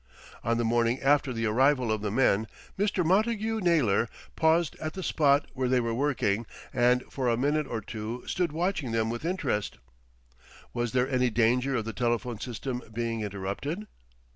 On the morning after the arrival of the men, Mr. Montagu Naylor paused at the spot where they were working, and for a minute or two stood watching them with interest. Was there any danger of the telephone system being interrupted?